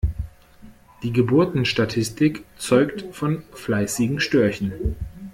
Die Geburtenstatistik zeugt von fleißigen Störchen.